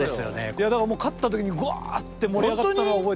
いやだから勝った時にグワーッて盛り上がったのは覚えてますもん。